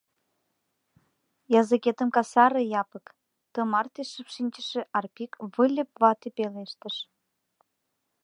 — Языкетым касаре, Якып, — тымарте шып шинчыше Арпик Выльып вате пелештыш.